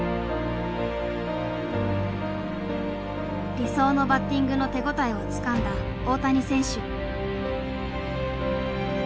理想のバッティングの手応えをつかんだ大谷選手。